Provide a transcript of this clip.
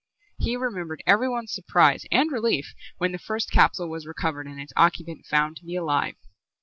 He remembered everyone's surprise and relief when the first capsule was recovered and its occupant found to be alive.